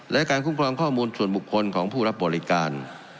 และการคุ้มครองข้อมูลส่วนบุคคลของผู้รับบริการ